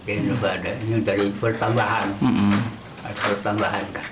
ini dari pertambahan